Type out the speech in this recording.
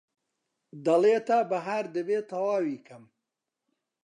دەڵێ تا بەهار دەبێ تەواوی کەم